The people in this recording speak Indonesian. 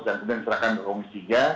dan kemudian diserahkan ke komis tiga